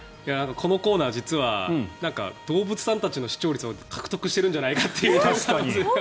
このコーナー、実は動物さんたちの視聴率を獲得してるんじゃないかという。